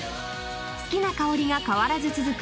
好きな香りが変わらず続く